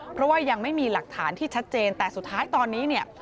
เพราะว่ายังไม่มีหลักฐานที่ชัดเจนแต่สุดท้ายตอนนี้เนี่ย